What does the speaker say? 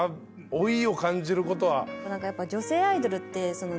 老いを感じることは。